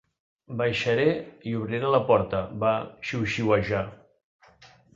"Baixaré i obriré la porta", va xiuxiuejar.